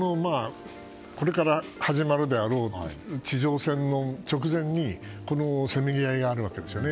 これから始まるであろう地上戦の直前にこのせめぎ合いがあるわけですね。